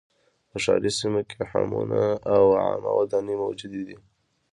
په ښاري سیمو کې حمونه او عامه ودانۍ موجودې وې